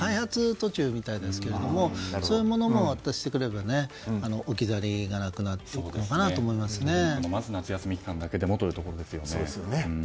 途中みたいですけどそういうものも発達してくれば置き去りがなくなるかなとまず夏休み期間だけでもというところですよね。